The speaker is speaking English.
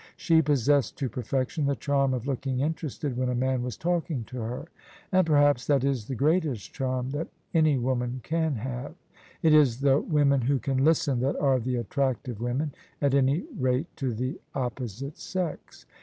She possessed to perfection the charm of looking interested when a man was talking to her: and per haps that is the greatest charm that any woman can have. It is the women who can listen that are the attractive women — at any rate to the opposite sex.